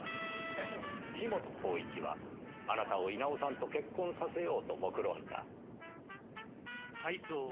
樋本晃一はあなたを稲尾さんと結婚させようと目論んだ。